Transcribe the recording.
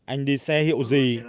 anh đi xe hiệu gì